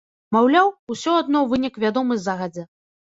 Маўляў, усё адно вынік вядомы загадзя.